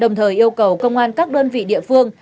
đồng thời yêu cầu công an các đơn vị địa phương